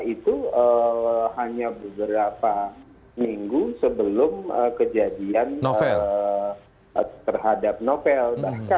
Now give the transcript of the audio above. itu hanya beberapa minggu sebelum kejadian terhadap novel